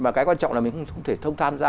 và cái quan trọng là mình không thể thông tham gia